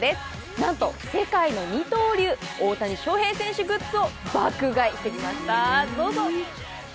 なんと世界の二刀流、大谷翔平選手グッズを爆買いしてきました、どうぞ。